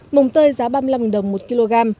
mồng tơi giá ba mươi năm đồng một kg